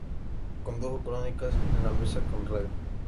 Condujo "Crónicas en la mesa" por radio.